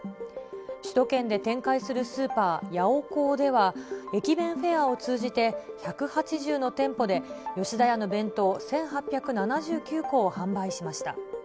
首都圏で展開するスーパー、ヤオコーでは、駅弁フェアを通じて、１８０の店舗で吉田屋の弁当１８７９個を販売しました。